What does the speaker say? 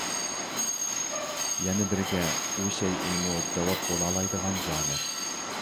يەنە بىرگە، ئۇ شەيئىمۇ جاۋاب بولالايدىغان ژانىر.